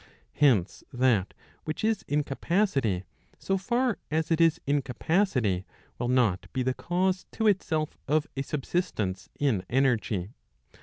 Hence, that which is in capacity, so far as it is in capacity, will not be the cause to itself of a subsistence in energy.